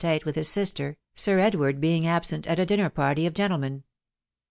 tSte d t&e with his sister, Sir Edward being absent at a din ner party of gentlemen.